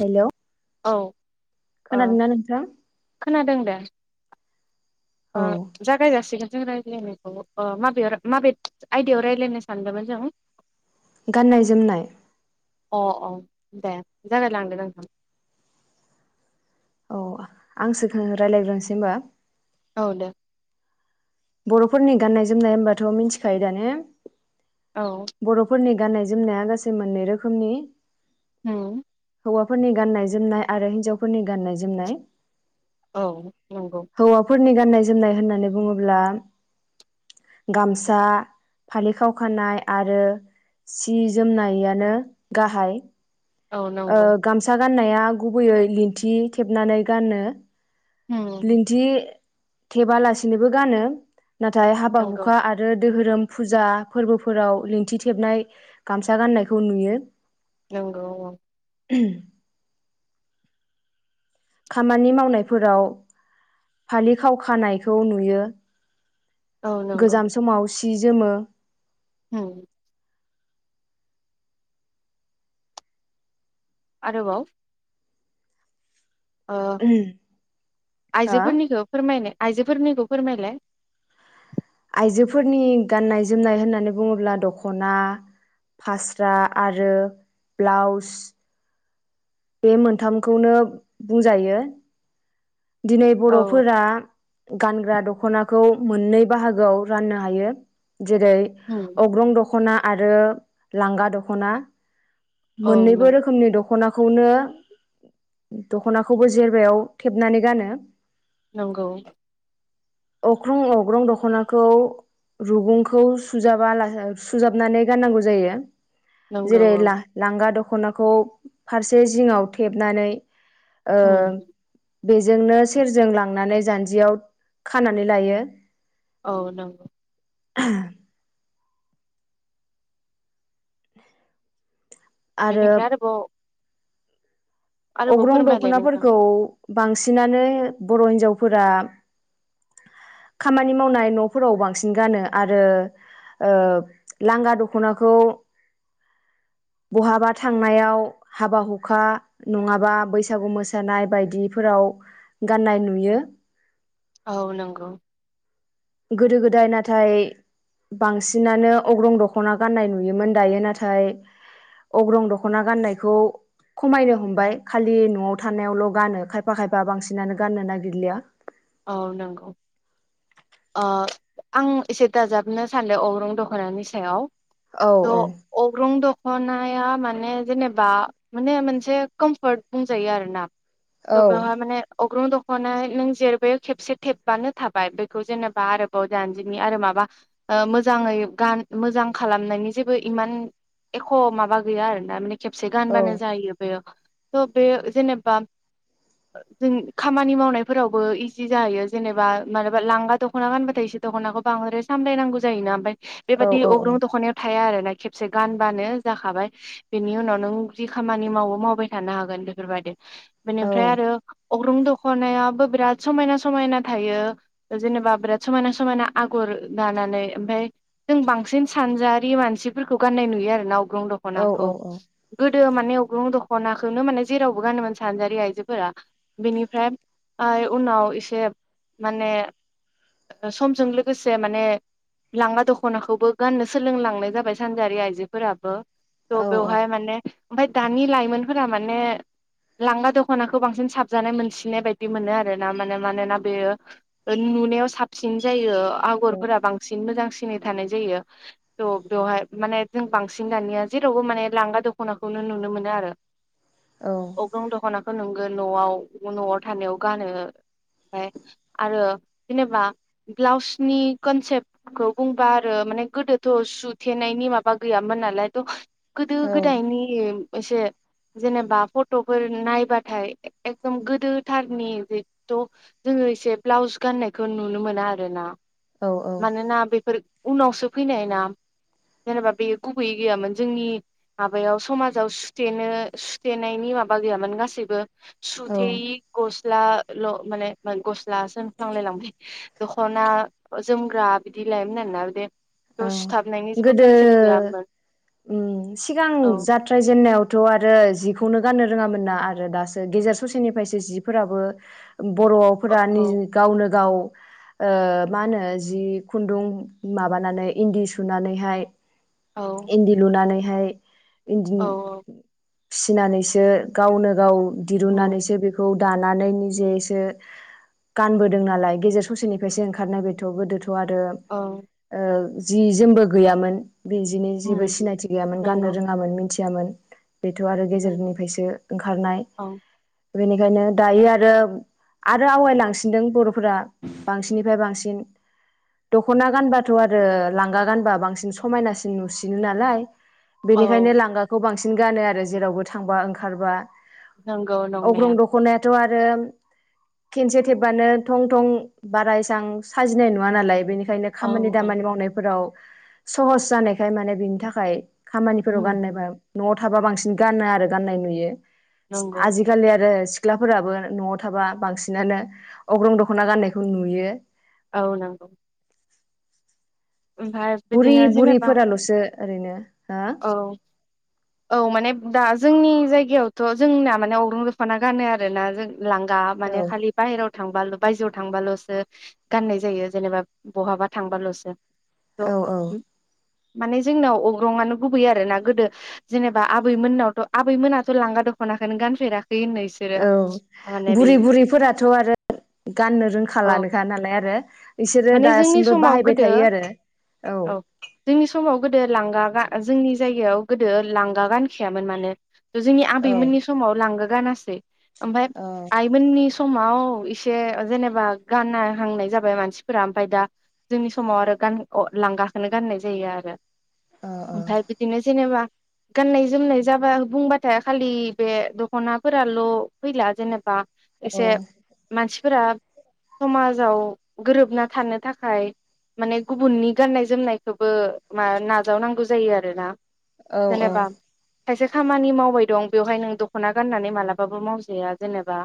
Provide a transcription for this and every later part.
Hello औ। ओ खोनादों ना नोंथां। खोनादों दे। औ अ जागाय जासिगोन। जों रायज्लायनायखौ माबे माबे आयदायाव रायज्लायनो सानदोंमोन जों। गाननाय जोमनाय। अ अ दे जागाय लांदो नोंथां। आंसोखौ रायज्लायग्रोनसैय होमबा। औ दे। बर'फोरनि गाननाय जोमनाय होनबाथ' मिथिखायो दा ने। औ बर'फोरनि गाननाय जोमनाया गासै मोननै रोखोमनि उम। हौवाफोरनि गाननाय जोमनाय आरो हिनजावफोरनि गाननाय जोमनाय। औ नंगौ। हौवाफोर गाननाय जोमनाय होननानै बुङोब्ला- गामसा फालि खाव खानाय आरो सि जोमनायानो गाहाइ। औ नंगौ गामसा गाननाया। गुबैयै लिन्थि थेबनानै गानो। होम लिन्थि थेबालासिनोबो गानो। नाथाय हाबा नंगौ हुखा आरो दोहोरोम फुजा फोरबोफोराव लिंथि थेबनाय गामसा गाननायखौ नुयो। नंगौ औ। [inaudible] खामानि मावनायफोराव फालि खावखानायखौ नुयो। औ गोजाम समाव। सि जोमो उम आरोबाव अ हो आइजोफोरनिखौ फोरमायनो आइजोफोरनिखौ फोरमायलाय आइजोफोरनि गाननाय जोमनाय होननानै बुङोब्ला दखना फास्रा आरो ब्लाउस बे मोनथामखौनो बुंजायो। दिनै औ बर'फोरा गानग्रा दख'नाखौ मोननै बाहागोआव राननो हायो। जेरै होम अग्रं दख दख'ना आरो लांगा दख'ना। औ मोननैबो नंगौ रोखोमनि दख खना खौनो दख'नाखौबो जेरबायाव थेबनानै गानो नंगौ अख्रं अग्रं दख'नाखौ रुगुंखौ सुजाबा ला सुजाबनानै गाननांगौ जायो नंगौ जेरै औ लांगा दख दख'नाखौ फारसे जिङाव थेबनानै ओ होम बेजोंनो सेरजों लांनानै जान्जियाव खानानै लायो। औ नंगौ [inaudible] आरो बेनिफ्राय आरोबाव आरोबाव अग्रं फोरमायलाय नोंथां दख'नाफोरखौ बांसिनानो बर' हिन्जावफोरा खामानि मावनाय न'फोराव बांसिन गानो आरो ओ लांगा दख'नाखौ बहाबा थांनायाव हाबा हुखा नङाबा बैसागु मोसानाय बायदिफोराव गाननाय नुयो। औ नंगौ गोदो गोदाय नाथाय बांसिनानो अग्रं दख'ना गाननाय नुयोमोन दायो नाथाय अग्रं दख'ना गाननायखौ खमायनो हमबाय खालि न'आव थानायावल' गानो खायफा खायफा बांसिनानो गाननो नागिरलिया औ नंगौ आं एसे दाजाबनो सानदों अरं दख'नानि सायाव औ त' औ अग्रं दख ख'नाया माने जेनेबा माने मोनसे कमफर्ट बुंजायो आरो ना औ बेवहाय माने अग्रं दख'नाय नों जेर बे खेबसे थेबानो थाबाय बेखौ जेनेबा आरोबाव जा न्जिनि आरो माबा ओ मोजाङै मोजां खालामनायनि जेबो इमान एख' माबा गैया आरो ना माने खेबसे औ गानबानो जायो बेयो थ' बे जेनेबा जों खामानि मावनायफोरावबो इ जि जायोयो जेनेबा मालाबा लांगा दख'ना गानबथायायोसो दखनाखौ बांद्राय सामलायनांगौ जायोना ओमफाय बेबादि अग्रुं दख'नायाव थाया आरो ना खेबसे गानबानो जाखाबाय बेनि उनाव नों जि खामानि मावो मावबाय थानो हागोन बेफोरबायदि बेनिफ्राय आरो अग्रं दख'नाय आबो बिराद समायना समायना थायो जेनेबा बिराद समायना समायना आगर दानानै ओमफ्राय जों बांसिन सानजारि मानसिफोरखौ गाननाय नुयो आरो नाव अग्रं दख'नाखौ गो दो माने अग्रं दख'नाखौनो माने जेरावबो गानोमोन सानजारि आइजोफोरा बिनिफ्राय [unintelligible] उनाव एसे माने समजों लोगोसे माने लखङा दख'नाखौबो गाननो सोलोंलांनाय जाबाय सानजारि आइजोफोराबो। स बेवहाय माने ओमफाय दानि लाइमोनफोरा माने लांगा दख'नाखौ बांसिन साबजानाय मोनसिननाय बायदि मोनो आरो [unintelligible] माने मानोना बेयो नुनायाव साबसिन जायो आगरफोरा बांसिन मोजांसि सिनै थानाय जायो थ' बेवहाय माने जों बांसिन दानिया जेरावबो माने लांगा दख'नाखौनो नुनो मोनो आरो । अग्रं दख'नाखौ नों ङो न'आव न'आव थानायाव गानो ओमफाय आरो जेनेबा ब्लाउसनि कनसेप्टखौ बुंबा आरो माने गोदोथ' सुथेनायनि माबा गैयामोन नालाय थ' गोदो औ गोदायनि एसे जेनेबा फट'फोर नायबाथाय एकदम गोदोथार । नि जिथ' जोङो एसे ब्लाउस गाननायखौ नुनो मोना आरो ना । औ मानोना बेफोर उनावसो फैनाय ना जेनेबा बे गुबैयै गैयामोन जोंनि माबायाव समाजाव सुथेनो सुथेनायनि माबा गैयामोन गासैबो सुथेयि गस्लाल' माने गस्लासो होमफ्लांलाय लांबाय दखना जोमग्रा बिदि लायोमोन आरोना बे औ थ' सुथाबनायनि जेबो गोदो कनसेप्ट गैयामोन उम सिगां औ जाथ्राय जेननायावथ' आरो जिखौनो गाननो रोङामोन ना आरो दासो गेजेर ससेनिफ्रायसो जिफोराबो औ बर'फोरा निजि गावनो गाव ओ माहोनो जि खुन्दुं मा बानानै इन्दि सुनानैहाय औ इन्दि लुनानानै हाय इन्दि औ फिसिनानैसो गावनो गाव औ दिरुननानैसो बेखौ दानानै निजेयैसो गानबोदों नालाय गेजेर ससेनिफ्रायसो ओंखारनाय बेथ' गोदो थ' आरो औ ओ जि जोमबो गैयामोन बिजिनो जेबो सिनायथि गैयामोन गाननो नंगौ रोङामोन मिथि यामोन । बेथ' आरो नंगौ गेजेरनिफायसो ओंखारनाय औ । बेनिखायनो दायो आरो आरो आवगायलांसिनदों बर' फोरा बांसिननिफ्राय बांसिन दख'ना गानबा थ' आरो लांगा गानबा बांसिन समायनासिन नुसिनो नालाय औ बेनिखायनो लांगाखौ बांसिन न गानो आरो जेरावबो थांबा ओंखारबा । नंगौ नंनाया थ' आरो खेनसे थेबबानो थं थं बारा इसां साजिनाय नुआ नालाय बेनिखाय औ खामानि औ दामानि मावनायफोराव सहस जानायखाय माने बिनि थाखाय खामानिफोराव गाननोबा न' थाबा बांसिन गानो आरो गान्नाय नुयो नंगौ आजिखालि आरो सिख सिख्लाफोराबो न'आव थाबा बांसिनानो अग्रं दख'ना गाननायखौ नुयो औ नंगौ ओमफ्राय बुरि बिदिनो जेनेबा बुरिफोराल'सो ओरैनो हो औ औ माने दा जोंनि जायगायावथ' जोंना माने अग्रं दखना गानो आरो ना जों लांगा औ माने खालि बाहेराव थांबा बायजोआव थांबाल'सो गाननाय जायो जेनेबा बहाबा थांबाल'सो थ' औ औ माने जोंनाव अग्रं आनो गुबै आरो ना गोदो जेनेबा आबैमोननावथ' आबैमोनाथ' लांगा दख'नाखनो गानफेराख औ बुरि बुरिफोराथ' आरो गाननो औ रोंखाालानोखा नालाय आरो बिसोरो माने जोंनि दासिमबो समाव बाहायबाय गोदो थायो आरो औ जोंनि समाव गोदो लांगा गा जोंनि जायगायाव गोदो लांगा गानखायामोन माने ओ जोंनि औ आबैमोननि समाव लांगा गानासै ओमफ्राय औ आइमोननि समाव इसे जेनेबा गानना हांनाय जाबाय मानसि फोरा ओमफाय दा जोंनि समाव आरो गान-अ-लांगाखौनो गाननाय जायो आरो। औ ओमफाय बिदिनो जेनेेबा गाननाय जोमनाय जाबा बुंबाथाय खालि बे दख'नाफोराल' फैला जेनेबा औ एसे मानसिफोरा समाजाव गोरोबना थानो थाखाय माने गुबुननि गाननाय जोमनायखौबो मा नाजावनांगौ जायो आरो ना। औ औ। खायसे खामानि मावबाय दं बेवहाय नों दख'ना गाननानै मालाबाबो मावजाया जेनेबा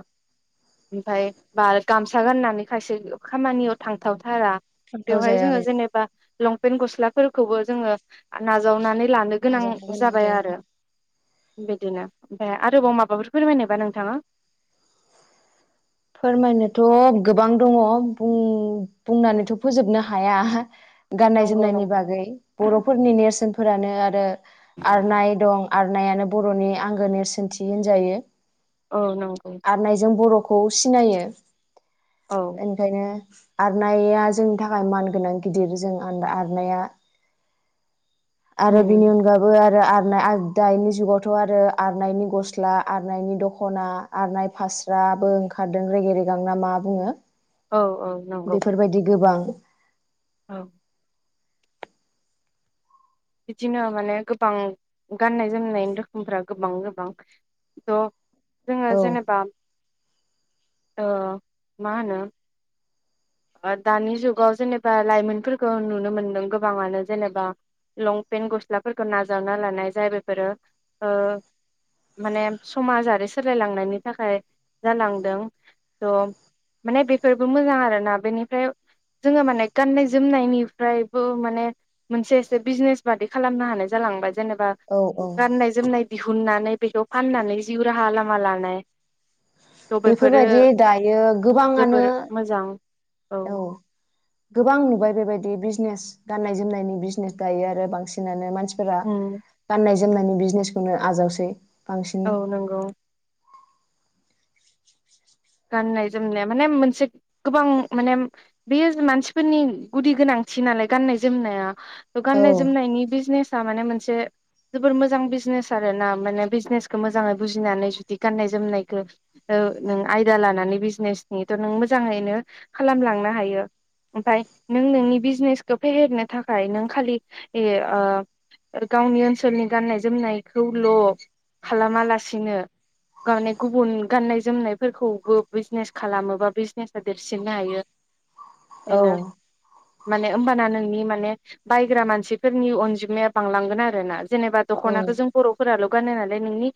ओमफाय बाल गामसा गाननानै खायसे खामानियाव थांथावथारा। खोन्थाव बेवहाय जाया जोङो बेनो जेनेबा लंपेन्ट गस्लाफोरखौबो जोङो आ नाजावनानै लानो गोनां नाजावनो गोनां जाबाय जायो आरो । बिदिनो ओमफ्राय आरोबाव माबाफोर फोरमायनोबा नोंथाङा । फोरमायनोथ गोबां दङ बुं-बुंनानैथ फोजोबनो हाया गाननाय नंगौ जोमनायनि नंगौ बागै बर फोरनि नेरसोनफोरानो आरो आरनाय दं आरनायानो बरनि आंगो नेरसोनथि होनजायो। औ नंगौ । खौ सिनायो । ओनिखायनो आरनाया जोंनि थाखाय मान गोनां गिदिर जों आन-आरनाया । आरो उम बिनि अनगाबो आर रो आरनाय आर दानि जुगावथ आरो आरनानायनि गस्ला आरनानायनि दखना, आरनाय फास्रा बो ओंखारदों रेगे रेगां ना मा बुङो? औ औ नंगौ बेफोरबायदि गोबां औ । बिदिनो माने गोबां गाननाय जोमनाय रोखोमफ्रा गोबां गोबां थ जोङो औ जेनेबा ओ मा होनो दानि जुगाव जेनेबा लाइमोनफोरखौ नुनो मोनदों गोबाङानो जेनेबा लंपेन्ट गस्लाफोरखौ नाजावना लानाय जाय बेफोरो ओ माने समाजारि सोलायलांनायनि थाखाय जालांदों थ माने बेफोरबो मोजां आरोना। बेनिफ्राय जोङो माने गाननाय जोमनायनिफ्रायबो माने मोनसे एसे बिजनेस बादि खालामनो हानाय जालांबाय । जेनेबा औ औ गाननाय जोमनाय दिहुननानै बेखौ फाननानै जिउ राहा लामा लानाय। थ' बेफोरो बेफोरबायदि दायो गोबाङानो जोबोर मोजां औ गोबां नुबाय बेबायदि । बिजनेस गाननाय जोमनायनि बिजनेस दायो आरो बांसिनानो मान [unintelligible] फोरा उम गाननाय जो जोमनायनि बिजनेसखौनो आजावसै बांसिन औ नोंगौ । गाननाय जोमनाया माने मोनसे गोबां माने बेयो मानसिफोरनि गुदि गोनांथि नालाय गाननाय जोमनाया । औ गाननाय जोमनायनि बिजनेस [unintelligible] माने मोनसे जोबोर मोजां बिजनेस आरो ना माने बिजनेसखौ मोजाङै बुजिनानै जुदि गाननाय जोमनायखौ ओ नों आयदा लानानै बिजनेसनिथ नों मोजाङैनो खालामलांनो हायो ओमफ्राय नों नोंनि बिजनेसखौ फेहेरनो थाखाय नों खालि इह ओ गावनि ओनसोलनि गाननाय जोमनायखौल खालामा लासिनो माने गुबुन गाननाय जोमनाय फोरखौबो बिजनेस खालामोबा बिजनेसा देरसिननो हायो। औ। बेनो माने होमबाना नोंनि माने बायग्रा मानसिफोरनि अनजिमाया बांलांगोन आरो ना, जेनेबा औ दख'नाखौ जों बर'फोराल' गानो नालाय नोंनि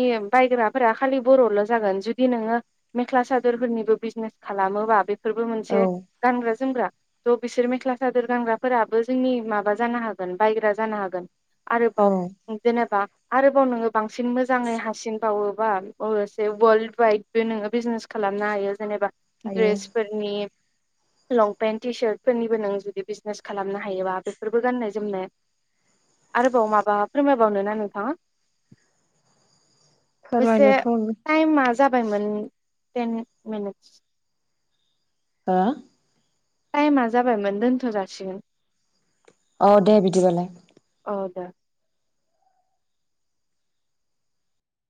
इह बायग्राफोरा खालि बर'ल' जागोन जुदि जुदि नोङो मेख्ला सादोरफोरनिबो बिजनेस खालामोबा बे फोरबो औ मोनसे गानग्रा जोमग्रा, स' बिसोर मेख्ला सादोर गांग्राफोराबो जोंनि माबा जानो हागोन बायग्रा जानो हागोन। औ आरोबाव जेनेबा आरोबाव नोङो बांसिन मोजाङै हासिन बावोबा [unintelligible] वर्ल्ड बाइकबो नोङो बिजनेस खालामनो हायो जेनेबा हायो द्रेस फोरनि लंपेन्ट टि सार्टफोरनिबो नों जुदि बिजनेस खालामनो हायोबा, बेफोरबो गाननाय जोमनाय, आरोबाव माबा फोरमायबावनो ना नोंथाङा? अबैसे फोरमायनोथ' टाइमा जा जाबायमोन टेन मिनिटस। हो? टाइमा जाबायमोन दोनथ' जाासिगोन। अ दे बिदिबालाय। औ दे